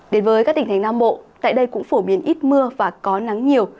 đến với các tỉnh thành nam bộ tại đây cũng phổ biến ít mưa và có nắng nhiều